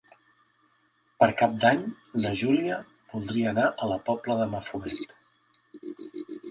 Per Cap d'Any na Júlia voldria anar a la Pobla de Mafumet.